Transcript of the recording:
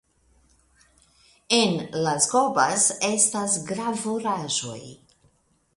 En Las Gobas estas gravuraĵoj.